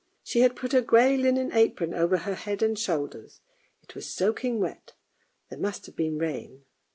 She had put her grey linen apron over her head and shoulders, it was soaking wet, there must have been rain.